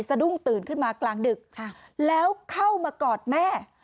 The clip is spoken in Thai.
สะดุ้งตื่นขึ้นมากลางดึกแล้วเข้ามากอดแม่